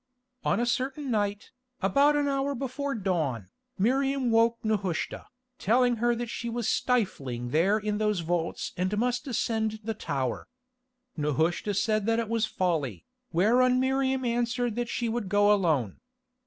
On a certain night, about an hour before the dawn, Miriam woke Nehushta, telling her that she was stifling there in those vaults and must ascend the tower. Nehushta said that it was folly, whereon Miriam answered that she would go alone.